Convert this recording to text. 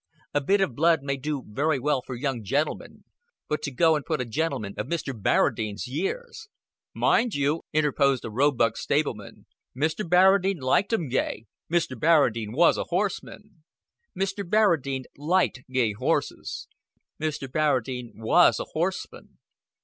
A bit of blood may do very well for young gentlemen, but to go and put a gentleman of Mr. Barradine's years " "Mind you," interposed a Roebuck stableman, "Mr. Barradine liked 'em gay. Mr. Barradine was a horseman!" Mr. Barradine liked gay horses. Mr. Barradine was a horseman.